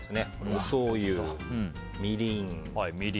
おしょうゆ、みりん。